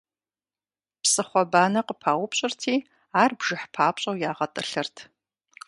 Псыхъуэ банэ къыпаупщӀырти, ар бжыхь папщӀэу ягъэтӀылъырт.